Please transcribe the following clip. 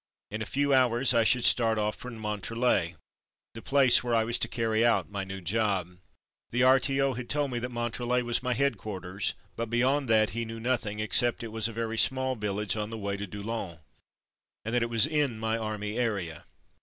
In a few hours I should start off for Montre let, the place where I was to carry out my new job. My Destination at Last 95 The R.T.O. had told me that Montrelet was my headquarters, but beyond that he knew nothing, except that it was a very small village on the way to Doullens, and that it was in my army area.